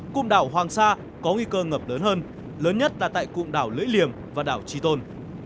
cụm đảo hoàng sa có nguy cơ ngập lớn hơn lớn nhất là tại cụm đảo lưỡi liềm và đảo chi tôn